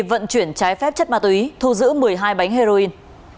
vận chuyển trái phép chất ma túy thu giữ một mươi hai bánh heroin